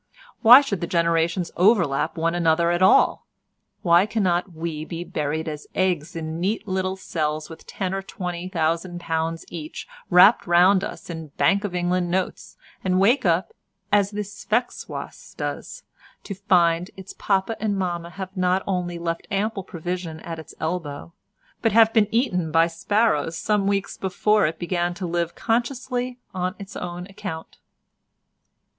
Why should the generations overlap one another at all? Why cannot we be buried as eggs in neat little cells with ten or twenty thousand pounds each wrapped round us in Bank of England notes, and wake up, as the sphex wasp does, to find that its papa and mamma have not only left ample provision at its elbow, but have been eaten by sparrows some weeks before it began to live consciously on its own account?